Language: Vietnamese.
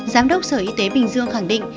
giám đốc sở y tế bình dương khẳng định